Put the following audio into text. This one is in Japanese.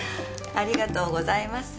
ありがとうございます。